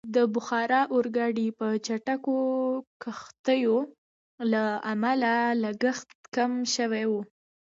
د بخار اورګاډي او چټکو کښتیو له امله لګښت کم شوی وو.